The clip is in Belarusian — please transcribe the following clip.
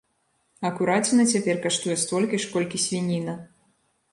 А кураціна цяпер каштуе столькі ж, колькі свініна.